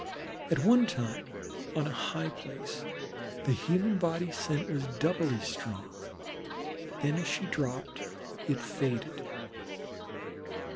At one time on a high place the human body scent was doubly strong, then as she dropped it faded.